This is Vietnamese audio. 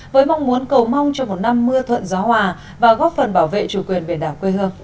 với mong muốn cầu mong trong một năm